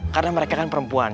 karena mereka kan perempuan